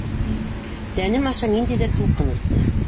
Тәнем аша ниндәйҙер тулҡын үтте.